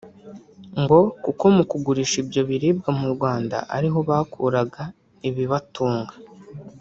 ngo kuko mu kugurisha ibyo biribwa mu Rwanda ariho bakuraga ibibatunga